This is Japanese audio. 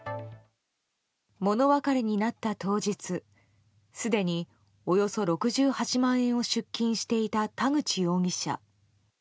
物別れになった当日すでに、およそ６８万円を出金していた田口容疑者。